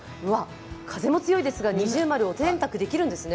風も強いですが◎、お洗濯できるんですね。